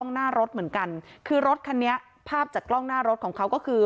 หน้ารถเหมือนกันคือรถคันนี้ภาพจากกล้องหน้ารถของเขาก็คือ